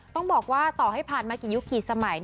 ต้องบอกว่าต่อให้ผ่านมากี่ยุคกี่สมัย